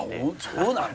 そうなの。